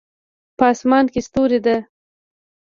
په اسمان کې ستوری ده